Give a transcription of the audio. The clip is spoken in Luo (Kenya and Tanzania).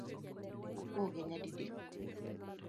Apoge nyadidek